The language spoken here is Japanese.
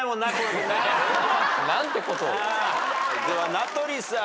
名取さん。